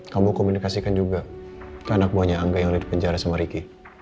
kamu komunikasikan juga ke anak buahnya angga yang ada di penjara sama riki